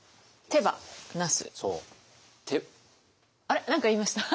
あれ何か言いました？